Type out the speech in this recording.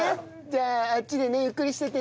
じゃああっちでねゆっくりしててね。